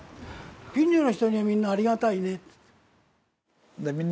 近所の人にはみんな「ありがたいね」って。